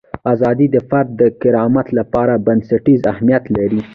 ازادي د فرد د کرامت لپاره بنسټیز اهمیت لري.